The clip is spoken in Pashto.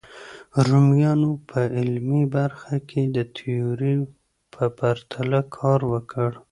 رومیانو په عملي برخه کې د تیوري په پرتله کار وکړ.